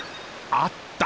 あった！